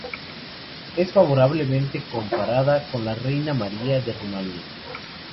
Es favorablemente comparada con la reina María de Rumanía.